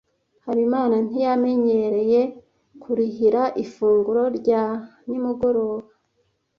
Habimana ntiyanyemereye kurihira ifunguro rya nimugoroba.